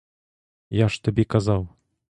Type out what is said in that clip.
Я ж тобі казав.